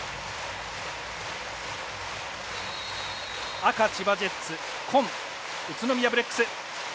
赤、千葉ジェッツ紺、宇都宮ブレックス。